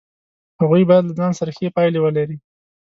هغوی باید له ځان سره ښې پایلې ولري.